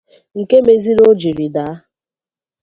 nke mezịrị o jiri daa.